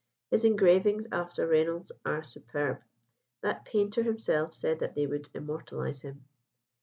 His engravings after Reynolds are superb. That painter himself said that they would immortalise him.